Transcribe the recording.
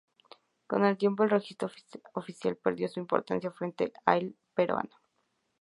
Con el tiempo El Registro Oficial perdió su importancia frente a "El Peruano".